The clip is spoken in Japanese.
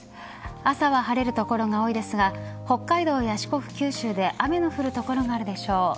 朝は晴れる所が多いですが北海道や四国、九州で雨の降る所があるでしょう。